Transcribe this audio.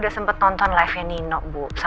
aku baru rhodes